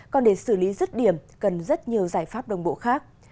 còn để xử lý rứt điểm cần rất nhiều giải pháp đồng bộ khác